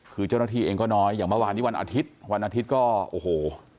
คือเจ้าหน้าที่เองก็น้อยอย่างเมื่อวานนี้วันอาทิตย์วันอาทิตย์ก็โอ้โห